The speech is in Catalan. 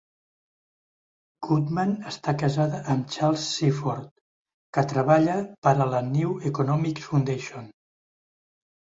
Goodman està casada amb Charles Seaford, que treballa per a la New Economics Foundation.